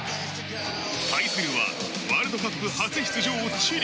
対するはワールドカップ初出場、チリ。